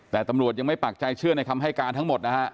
แต่ตำรวจยังไม่ปากใจเชื่อในคำให้การทั้งหมดนะฮะ